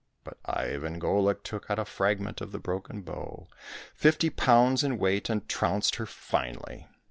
But Ivan Golik took out a fragment of the broken bow, fifty pounds in weight, and trounced her finely.